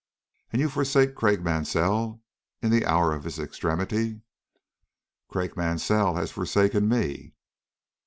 "And you forsake Craik Mansell, in the hour of his extremity?" "Craik Mansell has forsaken me."